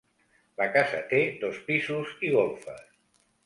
La casa té dos pisos i golfes.